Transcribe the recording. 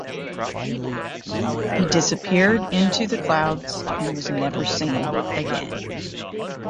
He disappeared into the clouds and was never seen again.